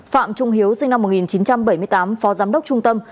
phạm trung hiếu sinh năm một nghìn chín trăm bảy mươi tám phó giám đốc trung tâm